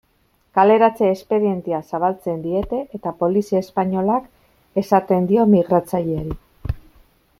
Kaleratze espedientea zabaltzen diete eta polizia espainolak esaten dio migratzaileari.